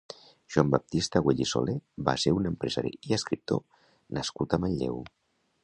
Joan Baptista Güell i Soler va ser un empresari i escriptor nascut a Manlleu.